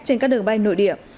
trên các đường bay nội địa